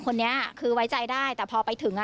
คนนี้คือไว้ใจได้แต่พอไปถึงอ่ะ